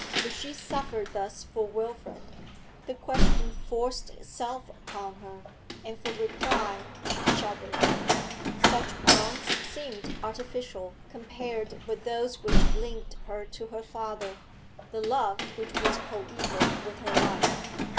Would she suffer thus for Wilfrid? The question forced itself upon her, and for reply she shuddered; such bonds seemed artificial compared with those which linked her to her father, the love which was coeval with her life.